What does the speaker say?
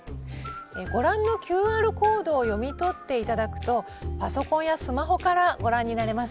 ご覧のＱＲコードを読み取って頂くとパソコンやスマホからご覧になれます。